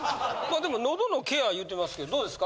でも喉のケアいうてますけどどうですか？